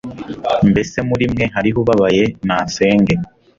Mbese muri mwe hariho ubabaye Nasenge